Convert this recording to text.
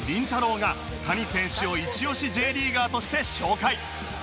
が谷選手をイチオシ Ｊ リーガーとして紹介